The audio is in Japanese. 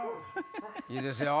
いいですよ！